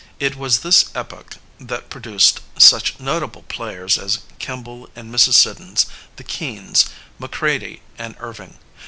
It was this epoch that produced such notable players as Kemble and Mrs. Siddons, the Keans, Macready and Irving.